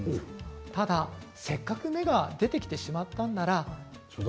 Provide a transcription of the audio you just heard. ただ、せっかく芽が出てきてしまったんなら。